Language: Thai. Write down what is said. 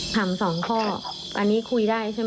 สองข้ออันนี้คุยได้ใช่ไหม